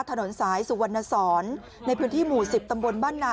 ถนนสายสุวรรณสอนในพื้นที่หมู่๑๐ตำบลบ้านนา